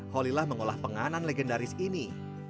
holilah mengolah penganan legendaris ini